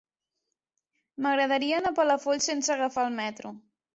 M'agradaria anar a Palafolls sense agafar el metro.